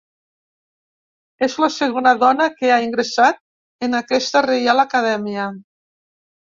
És la segona dona que ha ingressat en aquesta Reial Acadèmia.